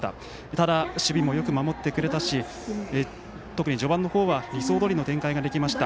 ただ、守備もよく守ってくれたし特に序盤は理想どおりの展開ができました。